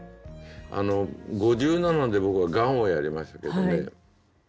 ５７で僕はがんをやりましたけどね